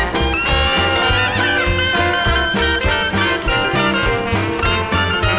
โปรดติดตามต่อไป